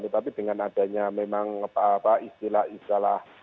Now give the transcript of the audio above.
tapi dengan adanya memang apa apa istilah istilah nyunur